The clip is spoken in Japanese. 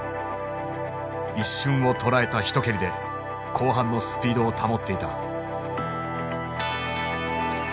一瞬をとらえた一蹴りで後半のスピードを保っていた。